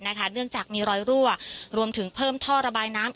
เนื่องจากมีรอยรั่วรวมถึงเพิ่มท่อระบายน้ำ